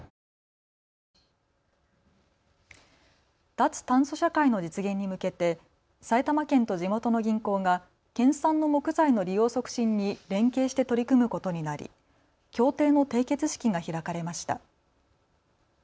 脱炭素社会の実現に向けて埼玉県と地元の銀行が県産の木材の利用促進に連携して取り組むことになり協定の締結式が開かれました。